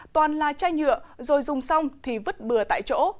toàn là chai nhựa rồi dùng xong thì vứt bừa tại chỗ